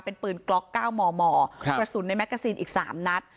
เป็นปืนกล็อกเก้าหม่อหม่อครับประสุนในแม็กซีนอีกสามนัด